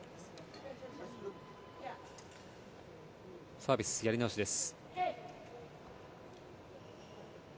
サービスやり直しです。